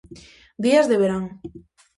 Días de verán.